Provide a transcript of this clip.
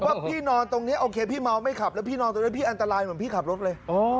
ว่าพี่นอนตรงนี้โอเคพี่เมาไม่ขับแล้วพี่นอนตรงนั้นพี่อันตรายเหมือนพี่ขับรถเลย